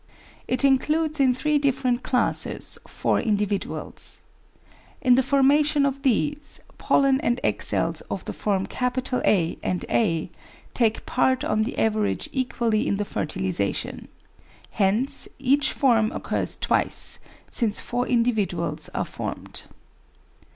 It includes in three different classes four individuals. In the formation of these, pollen and egg cells of the form A and a take part on the average equally in the fertilisation; hence each form [occurs] twice, since four individuals are formed.